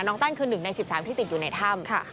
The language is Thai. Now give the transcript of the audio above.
แต้นคือ๑ใน๑๓ที่ติดอยู่ในถ้ำ